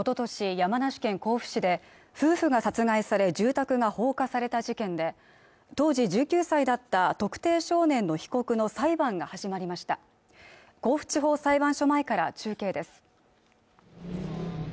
山梨県甲府市で夫婦が殺害され住宅が放火された事件で当時１９歳だった特定少年の被告の裁判が始まりました甲府地方裁判所前から中継です